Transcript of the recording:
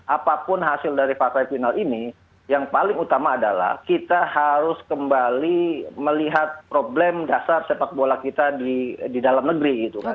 apapun hasil dari partai final ini yang paling utama adalah kita harus kembali melihat problem dasar sepak bola kita di dalam negeri